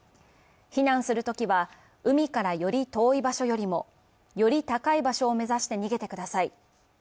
避難するときは、海からより遠い場所よりもより高い場所を目指して逃げてください。